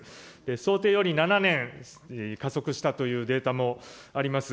想定より７年加速したというデータもあります。